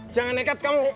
jangan nekat kamu